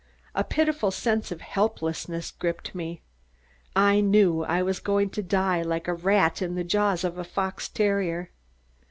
A pitiful sense of helplessness gripped me. I knew I was going to die like a rat in the jaws of a fox terrier.